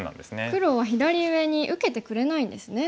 黒は左上に受けてくれないんですね。